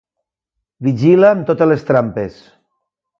Vigila amb totes les trampes.